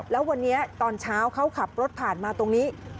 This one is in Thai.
แล้ววันนี้ตอนเช้าเขาขับรถผ่านมาตรงนี้